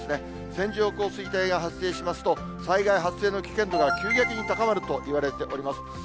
線状降水帯が発生しますと、災害発生の危険度が急激に高まるといわれております。